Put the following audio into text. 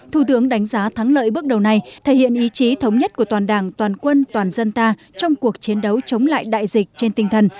thủ tướng đánh giá thắng lợi bước đầu này thể hiện ý chí thống nhất của toàn đảng toàn quân toàn dân ta trong cuộc chiến đấu chống lại đại dịch trên tinh thần